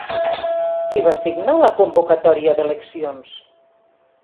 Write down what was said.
Qui va signar la convocatòria d'eleccions?